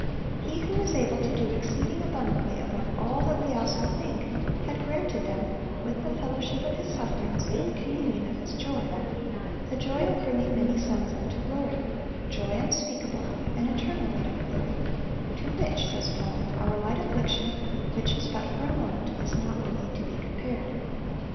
He who is "able to do exceeding abundantly above all that we ask or think," had granted them, with the fellowship of His sufferings, the communion of His joy,—the joy of "bringing many sons unto glory," joy unspeakable, "an eternal weight of glory," to which, says Paul, "our light affliction, which is but for a moment," is "not worthy to be compared."